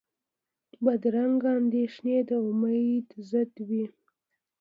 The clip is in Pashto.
بدرنګه اندېښنې د امید ضد وي